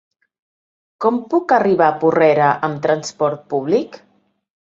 Com puc arribar a Porrera amb trasport públic?